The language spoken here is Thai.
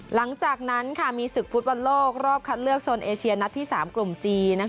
หลังจากนั้นมีศึกฟุตบอลโลกรอบคัดเลือกโซนเอเชียนัดที่๓กลุ่มจีน